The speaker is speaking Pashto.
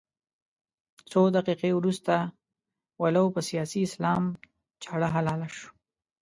څو دقيقې وروسته ولو په سیاسي اسلام چاړه حلال شو.